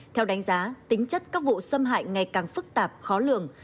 theo đánh giá tính chất các vụ xâm hại ngày càng phức tạp khó lường